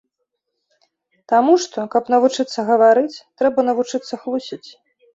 Таму што, каб навучыцца гаварыць, трэба навучыцца хлусіць.